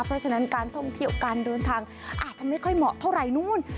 เพราะฉะนั้นการท่องเที่ยวการเดินทางอาจจะไม่ค่อยเหมาะเท่าไหร่นู้น